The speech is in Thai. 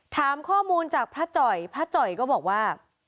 ถามข้อมูลจากพระจ่อยพระจ่อยก็บอกว่า